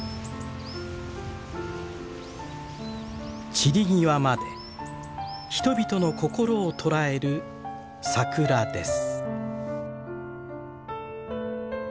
散り際まで人々の心を捉える桜です。